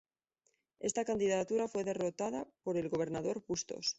Esta candidatura fue derrotada por el gobernador Bustos.